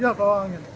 iya ke bawah angin